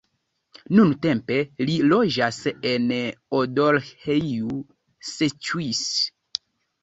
Nuntempe li loĝas en Odorheiu Secuiesc.